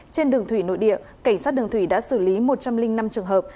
trên đường thủy nội địa cảnh sát đường thủy đã xử lý một trăm linh năm trường hợp